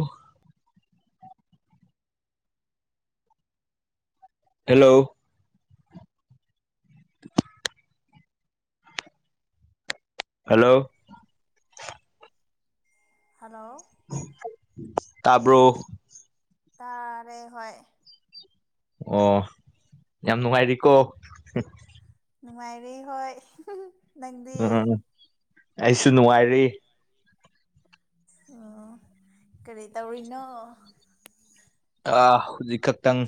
ꯑꯣ hello [inaudible] hello hello ꯇꯕ꯭ꯔꯣ ꯇꯥꯔꯦ ꯍꯣꯏ ꯑꯣ ꯌꯥꯝ ꯅꯨꯡꯉꯥꯏꯔꯤꯀꯣ ꯅꯨꯡꯉꯥꯏꯔꯦ ꯍꯣꯏ ꯅꯪꯗꯤ ꯎꯝ ꯑꯩꯁꯨ ꯅꯨꯡꯉꯥꯏꯔꯤ ꯑꯣ ꯀꯔꯤ ꯇꯧꯔꯤꯅꯣ ꯑꯥ ꯍꯧꯖꯤꯛ ꯈꯛꯇꯪ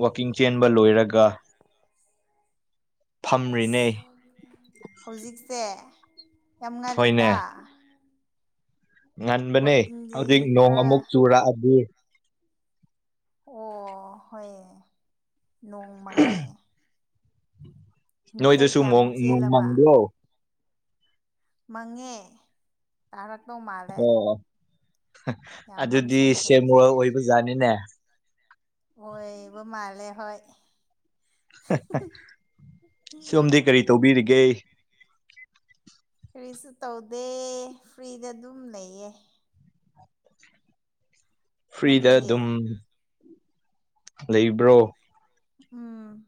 ꯋꯥꯛꯀꯤꯡ ꯆꯦꯟꯕ ꯂꯣꯏꯔꯒ ꯐꯝꯔꯤꯅꯦ ꯑꯦꯁ ꯍꯧꯖꯤꯛꯁꯦ ꯌꯥꯝ ꯍꯣꯏꯅꯦ ꯉꯜꯂꯤꯗ ꯉꯟꯕꯅꯦ ꯋꯥꯛꯀꯤꯡꯗꯤ ꯍꯧꯖꯤꯛ ꯅꯣꯡ ꯑꯃꯨꯛ ꯈꯔ ꯆꯨꯔꯛꯑꯗꯤ ꯑꯣ ꯍꯣꯏꯌꯦ ꯅꯣꯡ ꯃꯪꯉꯦ ꯃꯤꯇꯔ ꯅꯣꯏꯗꯁꯨ ꯃꯣꯡ ꯀꯌꯥꯃꯨꯛ ꯎꯡ ꯆꯦꯜꯂꯕ ꯃꯪꯕꯔꯣ ꯃꯪꯉꯦ ꯇꯥꯔꯛꯇꯧ ꯃꯥꯜꯂꯦ ꯑꯣ ꯌꯥꯝ ꯑꯗꯨꯗꯤ ꯃꯝꯁꯤꯟꯈ꯭ꯔꯦ ꯁꯦꯝ ꯍꯧꯖꯤꯛ ꯋꯥꯔꯜꯗ ꯑꯣꯏꯕꯖꯥꯠꯅꯤꯅꯦ ꯑꯣꯏꯕ ꯃꯥꯂꯦ ꯍꯣꯏ ꯁꯣꯝꯗꯤ ꯀꯔꯤ ꯇꯧꯕꯤꯔꯤꯒꯦ ꯀꯔꯤꯁꯨ ꯇꯧꯗꯦ ꯐ꯭ꯔꯤꯗ ꯑꯗꯨꯝ ꯂꯩꯌꯦ ꯐ꯭ꯔꯤꯗ ꯅꯪꯗꯤ ꯑꯗꯨꯝ ꯂꯩꯕ꯭ꯔꯣ ꯎꯝ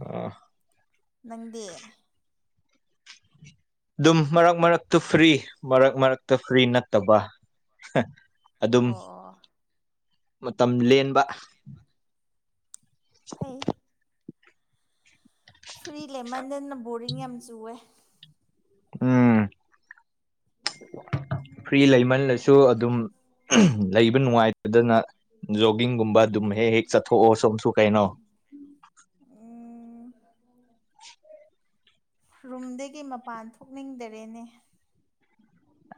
ꯑꯣ ꯅꯪꯗꯤ ꯑꯗꯨꯝ ꯃꯔꯛ ꯃꯔꯛꯇ ꯐ꯭ꯔꯤ ꯃꯔꯛ ꯃꯔꯛꯇ ꯐ꯭ꯔꯤ ꯅꯠꯇꯕ ꯑꯗꯨꯝ ꯑꯣ ꯃꯇꯝ ꯂꯦꯟꯕ ꯐꯩ ꯐ꯭ꯔꯤ ꯂꯩꯃꯟꯗꯅ ꯕꯣꯔꯤꯡ ꯌꯥꯝ ꯆꯨꯋꯦ ꯎꯝ ꯐ꯭ꯔꯤ ꯂꯩꯃꯜꯂꯁꯨ ꯑꯗꯨꯝ ꯂꯩꯕ ꯅꯨꯡꯉꯥꯏꯇꯗꯅ ꯖꯣꯒꯤꯡꯒꯨꯝꯕ ꯑꯗꯨꯝ ꯍꯦꯛ ꯍꯦꯛ ꯆꯠꯊꯣꯛꯑꯣ ꯁꯣꯝꯁꯨ ꯀꯩꯅꯣ ꯎꯝ ꯔꯨꯝꯗꯒꯤ ꯃꯄꯥꯟ ꯊꯣꯛꯅꯤꯡꯗꯔꯦꯅꯦ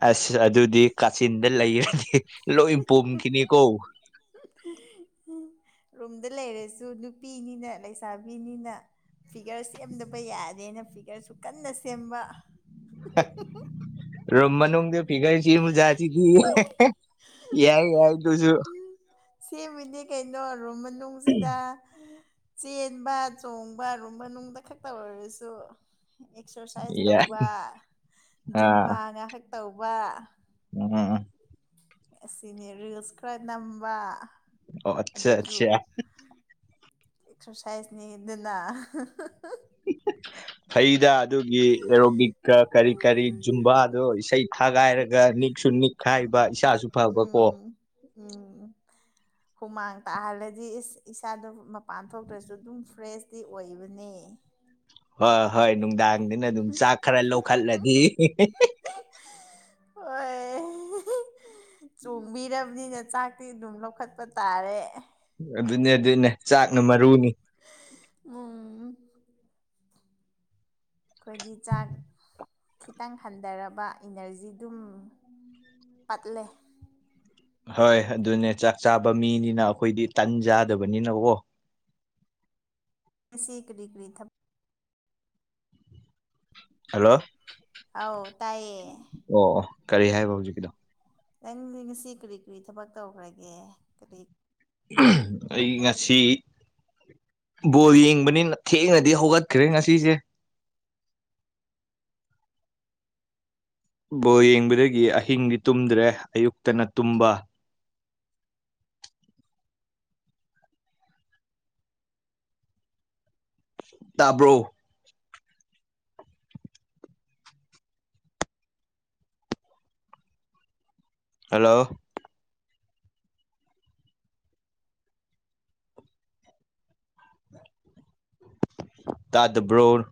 ꯑꯁ ꯑꯗꯨꯗꯤ ꯀꯥꯆꯤꯟꯗ ꯂꯩꯔꯗꯤ ꯂꯣꯏ ꯄꯣꯝꯈꯤꯅꯤꯀꯣ [unintelligible] ꯔꯨꯝꯗ ꯂꯩꯔꯁꯨ ꯅꯨꯄꯤꯅꯤꯅ ꯂꯩꯁꯥꯕꯤꯅꯤꯅ ꯐꯤꯒꯔ ꯁꯦꯝꯗꯕ ꯌꯥꯗꯦꯅ ꯐꯤꯒꯔꯁꯨ ꯀꯟꯅ ꯁꯦꯝꯕ ꯔꯨꯝ ꯃꯅꯨꯡꯗ ꯐꯤꯒꯔ ꯁꯦꯝꯕ ꯖꯥꯠꯁꯤꯗꯤ ꯌꯥꯏ ꯌꯥꯏ ꯑꯗꯨꯁꯨ ꯁꯦꯝꯃꯤꯅꯦ ꯀꯩꯅꯣ ꯔꯨꯝ ꯃꯅꯨꯡꯁꯤꯗ ꯆꯦꯟꯕ ꯆꯣꯡꯕ ꯔꯨꯝ ꯃꯅꯨꯡꯗ ꯈꯛꯇ ꯑꯣꯏꯔꯁꯨ ꯑꯦꯛꯁꯔꯁꯥꯏꯁ ꯌꯥꯏ ꯇꯧꯕ ꯑꯥ ꯖꯨꯝꯕꯥ ꯉꯥꯍꯛ ꯇꯧꯕ ꯎꯝ ꯎꯝ ꯎꯝ ꯑꯁꯤꯅꯤ ꯔꯤꯜꯁ ꯈꯔ ꯅꯝꯕ ꯑꯠꯆꯥ ꯑꯗꯨꯁꯨ ꯑꯠꯆꯥ ꯑꯦꯛꯁꯔꯁꯥꯏꯁꯅꯤꯗꯅ [unintelligible] ꯐꯩꯗ ꯑꯗꯨꯒꯤ ꯑꯦꯔꯣꯕꯤꯛꯀ ꯀꯔꯤ ꯀꯔꯤ ꯖꯨꯝꯕꯥꯗꯣ ꯎꯝ ꯏꯁꯩ ꯊꯥꯒꯥꯏꯔꯒ ꯅꯤꯛꯁꯨ ꯅꯤꯛ ꯈꯥꯏꯕ ꯏꯁꯥꯁꯨ ꯐꯕ ꯀꯣ ꯎꯝ ꯍꯨꯃꯥꯡ ꯇꯥꯍꯜꯂꯗꯤ ꯏꯁ ꯏꯁꯥꯗꯣ ꯃꯄꯥꯟ ꯊꯣꯛꯇ꯭ꯔꯁꯨ ꯑꯗꯨꯝ ꯐ꯭ꯔꯦꯁꯇꯤ ꯑꯣꯏꯕꯅꯦ ꯍꯣꯏ ꯍꯣꯏ ꯅꯨꯡꯗꯥꯡꯗꯅ ꯑꯗꯨꯝ ꯆꯥꯛ ꯈꯔ ꯂꯧꯈꯠꯂꯅꯤ ꯍꯣꯏ ꯆꯣꯡꯕꯤꯔꯕꯅꯤꯅ ꯆꯥꯛ ꯑꯗꯨꯝ ꯂꯧꯈꯠꯄ ꯇꯥꯔꯦ ꯑꯗꯨꯅꯦ ꯑꯗꯨꯅꯦ ꯆꯥꯛꯅ ꯃꯔꯨꯅꯤ ꯎꯝ ꯑꯩꯈꯣꯏꯗꯤ ꯆꯥꯛ ꯈꯤꯇꯪ ꯍꯟꯊꯔꯕ ꯏꯅꯔꯖꯤꯗꯨꯝ ꯄꯠꯂꯦ ꯍꯣꯏ ꯑꯗꯨꯅꯦ ꯆꯥꯛ ꯆꯥꯕ ꯃꯤꯅꯤꯅ ꯑꯩꯈꯣꯏꯗꯤ ꯇꯟ ꯆꯥꯗꯕꯅꯤꯅꯀꯣ ꯉꯁꯤ ꯀꯔꯤ ꯀꯔꯤ ꯊꯕꯛ ꯍꯜꯂꯣ ꯑꯧ ꯇꯥꯏꯌꯦ ꯑꯣ ꯑꯣ ꯀꯔꯤ ꯍꯥꯏꯕ ꯍꯧꯖꯤꯛꯀꯤꯗꯣ ꯅꯪꯗꯤ ꯉꯁꯤ ꯀꯔꯤ ꯀꯔꯤ ꯊꯕꯛ ꯇꯧꯈ꯭ꯔꯒꯦ ꯀꯔꯤ ꯑꯩ ꯉꯁꯤ ꯕꯣꯜ ꯌꯦꯡꯕꯅꯤꯅ ꯊꯦꯡꯅꯗꯤ ꯍꯧꯒꯠꯈ꯭ꯔꯦ ꯉꯁꯤꯁꯦ ꯕꯣꯜ ꯌꯦꯡꯕꯗꯒꯤ ꯑꯍꯤꯡꯗꯤ ꯇꯨꯝꯗ꯭ꯔꯦ ꯑꯌꯨꯛꯇꯅ ꯇꯨꯝꯕ ꯇꯥꯕ꯭ꯔꯣ ꯍꯜꯂꯣ ꯇꯥꯗꯕ꯭ꯔꯣ